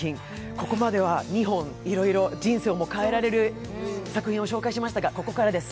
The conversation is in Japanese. ここまでは２本、いろいろ人生も変えられる作品を紹介してきましたがここからです。